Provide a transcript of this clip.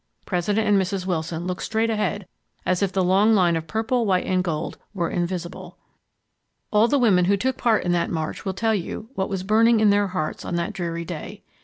President and Mrs. Wilson looked straight ahead as if the long line of purple, white and gold were invisible. All the women who took part in that march will tell you what was burning in their hearts on that dreary day.